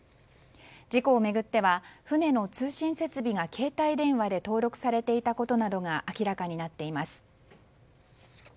事故を巡っては船の通信設備が携帯電話で登録されていたことなどが明らかになっています。